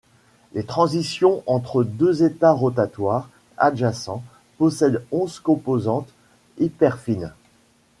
Les transitions entre deux états rotatoires adjacents possèdent onze composantes hyperfines.